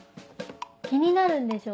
気になるんでしょ？